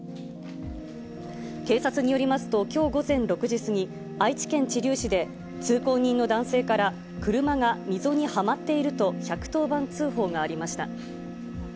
警察によりますと、きょう午前６時過ぎ、愛知県知立市で、通行人の男性から、車が溝にはまっていると、１１０番通報がありました。